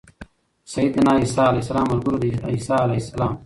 د سيّدنا عيسی عليه السلام ملګرو د عيسی علیه السلام